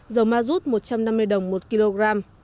dầu mazut một trăm năm mươi đồng một kg